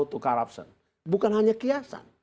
untuk corruption bukan hanya kiasan